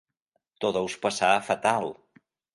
T'ho deus passar fatal.